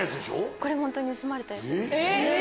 これ本当に盗まれたやつ。